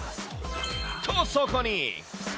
と、そこに。